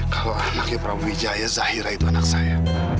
kalau anaknya prabu wijaya zahira itu anak saya